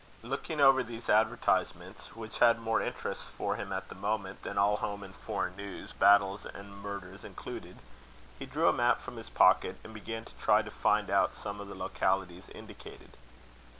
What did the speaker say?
Looking over these advertisements, which had more interest for him at the moment than all home and foreign news, battles and murders included, he drew a map from his pocket, and began to try to find out some of the localities indicated.